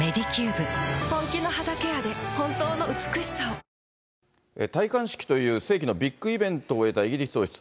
「ビオレ」戴冠式という世紀のビッグイベントを終えたイギリス王室。